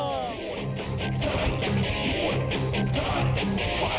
มวยไทยไฟเตอร์